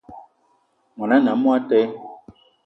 Món ané a monatele